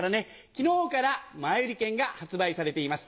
昨日から前売り券が発売されています。